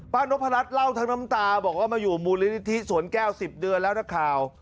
นพรัชเล่าทั้งน้ำตาบอกว่ามาอยู่มูลนิธิสวนแก้ว๑๐เดือนแล้วนักข่าว